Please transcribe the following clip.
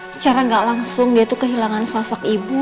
secara gak langsung dia itu kehilangan sosok ibu